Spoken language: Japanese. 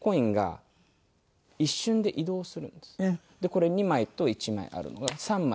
これ２枚と１枚あるのが３枚と０枚。